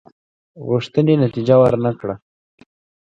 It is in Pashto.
غوښتنې نتیجه ورنه کړه.